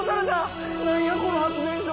何やこの発電所。